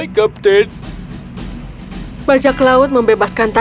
bajak laut membebaskan tiger's lily dia berlari cepat menuju perkemahan indian